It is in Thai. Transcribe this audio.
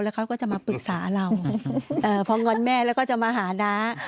เขาก็จะมาปรึกษาเราพองอนแม่แล้วก็จะมาหาน้า